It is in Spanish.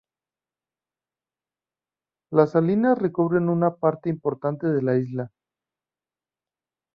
Las salinas recubren una parte importante de la isla.